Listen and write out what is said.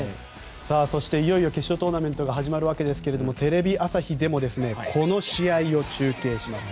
そして、いよいよ決勝トーナメントが始まりますがテレビ朝日でもこの試合を中継します。